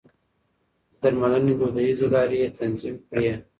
د درملنې دوديزې لارې يې تنظيم کړې.